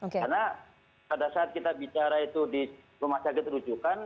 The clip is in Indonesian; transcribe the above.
karena pada saat kita bicara itu di rumah sakit rujukan